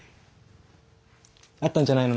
あったんじゃないの？